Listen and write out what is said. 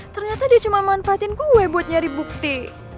ternyata dia cuma manfaatin kue buat nyari bukti